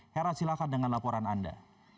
hera silahkan dengan laporan anda